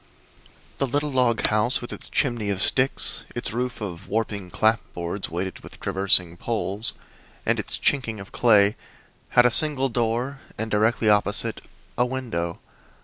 The little log house, with its chimney of sticks, its roof of warping clapboards weighted with traversing poles and its "chinking" of clay, had a single door and, directly opposite, a window.